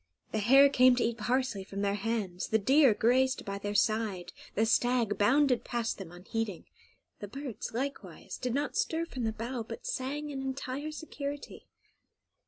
The hare came to eat parsley from their hands, the deer grazed by their side, the stag bounded past them unheeding; the birds, likewise, did not stir from the bough, but sang in entire security.